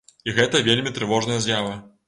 І гэта вельмі трывожная з'ява.